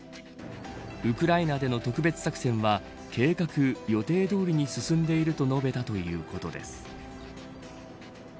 ウクライナでの特別作戦は計画・予定どおりに進んでいると述べたということです。